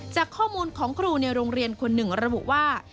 จากข้อมูลของครูในโรงเรียนคนหนึ่งระบุว่า